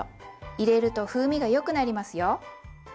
入れると風味がよくなりますよ。